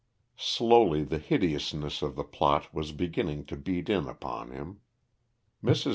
Slowly the hideousness of the plot was beginning to beat in upon him. Mrs.